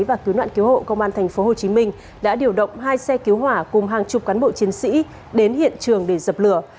và cứu nạn cứu hộ công an tp hcm đã điều động hai xe cứu hỏa cùng hàng chục cán bộ chiến sĩ đến hiện trường để dập lửa